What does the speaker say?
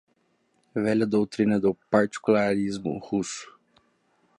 velha doutrina do particularismo russo